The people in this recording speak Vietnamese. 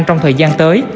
trong thời gian tới